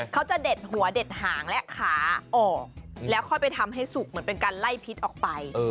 เขาจะเด็ดหัวเด็ดหางและขาออกแล้วค่อยไปทำให้สุกเหมือนเป็นการไล่พิษออกไป